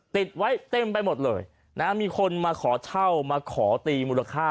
ติดไว้เต็มไปหมดเลยนะมีคนมาขอเช่ามาขอตีมูลค่า